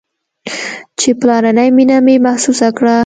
چې پلرنۍ مينه مې محسوسه كړه.